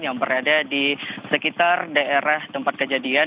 yang berada di sekitar daerah tempat kejadian